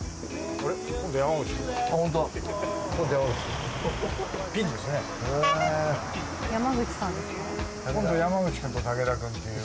コント山口君と竹田君っていう。